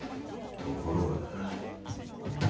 ところがだ